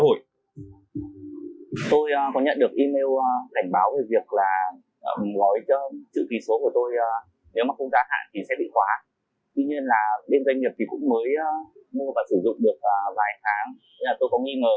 tôi có nhận được email cảnh báo về việc là gói cho chữ ký số của tôi